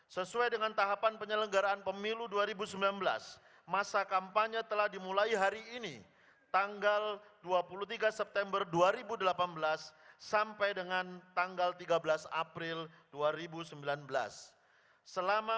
sesuai dengan tahapan penyelenggaraan pemilu dua ribu sembilan belas masa kampanye telah dimulai hari ini tanggal dua puluh tiga september dua ribu delapan belas sampai dengan tanggal tiga belas april dua ribu sembilan belas